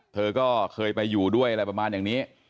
เธอก็เคยไม่อยู่ด้วยอะไรประมาณนี้